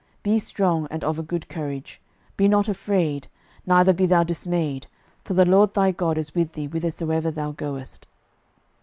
Be strong and of a good courage; be not afraid, neither be thou dismayed: for the LORD thy God is with thee whithersoever thou goest.